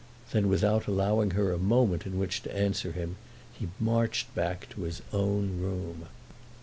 Then without allowing her a moment in which to answer him, he marched back to his own room.